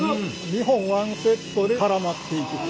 ２本１セットで絡まっていくと。